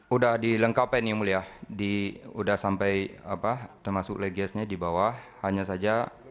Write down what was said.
sudah dilengkapi ini yang mulia sudah sampai termasuk legiasnya di bawah hanya saja